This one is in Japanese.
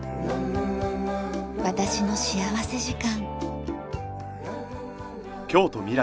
『私の幸福時間』。